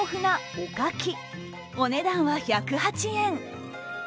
お値段は１０８円。